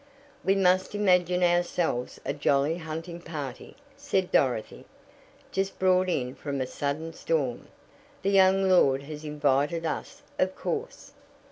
"We must imagine ourselves a jolly hunting party," said Dorothy, "just brought in from a sudden storm. The young lord has invited us, of course."